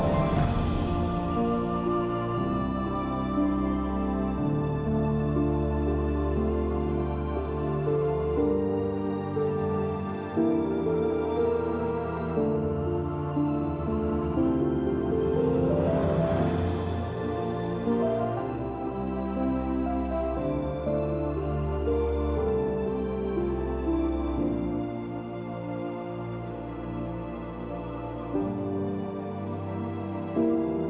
kamu tahu sangatlah apa yang kamu kasihi